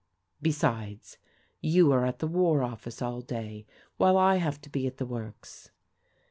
Besides, you are at the War Office all day, while I have to be at the works."